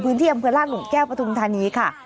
พื้นเทียมเภือนล่างลุงแก้วประธุมธานีค่ะ